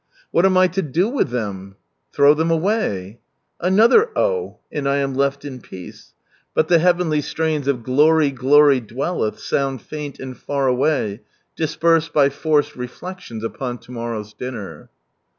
"What am I to do with them?" "Throwthem away !" Another " Oh !" and I am left in peace ; but the heavenly strains of l62 From Sunrise Land " glory, gitwy dwelleth " sound faint and (ar a*ay, disposed by forced reflections upon to monow's dinner.